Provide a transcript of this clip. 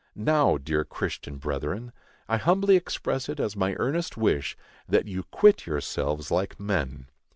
Now, dear Christian brethren, I humbly express it as my earnest wish, that you quit yourselves like men.